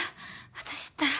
私ったら。